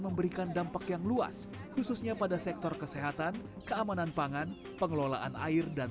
memberikan dampak yang luas khususnya pada sektor kesehatan keamanan pangan pengelolaan air dan